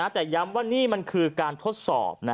แต่ย้ำว่านี่มันคือการทดสอบ